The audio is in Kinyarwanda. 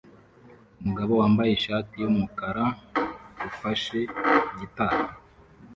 Umugabo wambaye ishati yumukara ufashe gitari